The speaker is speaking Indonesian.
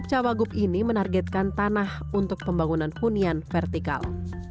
perusahaan yang menargetkan tanah untuk pembangunan hunian vertikal